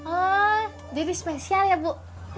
oh jadi spesial ya bu